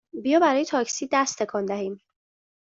بیا برای تاکسی دست تکان دهیم!